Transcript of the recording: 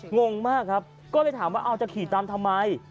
งงมากครับก็เลยถามว่าเอาจะขี่ตามทำไม